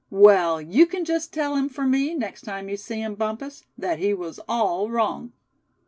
Well, you c'n just tell him for me, next time you see him, Bumpus, that he was all wrong.